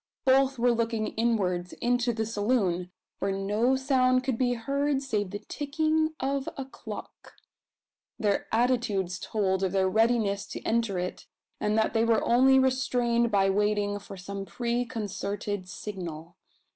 Both were looking inwards into the saloon, where no sound could be heard save the ticking of a clock. Their attitudes told of their readiness to enter it, and that they were only restrained by waiting for some preconcerted signal.